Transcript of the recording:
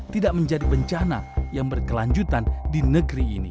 tidak menjadi bencana yang berkelanjutan di negeri ini